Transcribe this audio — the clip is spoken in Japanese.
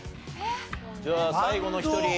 じゃあ最後の１人。